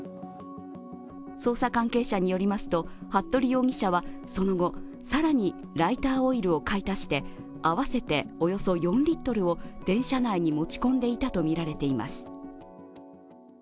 捜査関係者によりますと、服部容疑者はその後、更にライターオイルを買い足して合わせておよそ４リットルを電車内に持ち込んでいたとみられています。